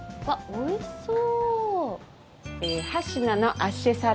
おいしそう。